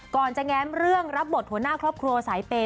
ก่อนจะแง้มเรื่องรับบทหัวหน้าครอบครัวสายเปย์